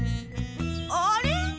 あれ？